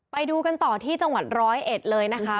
ไปดูกันต่อที่จังหวัดร้อยเอ็ดเลยนะคะ